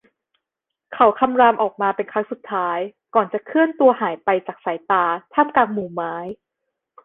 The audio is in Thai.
เขาคำรามออกมาเป็นครั้งสุดท้ายก่อนจะเคลื่อนตัวหายไปจากสายตาท่ามกลางหมู่ไม้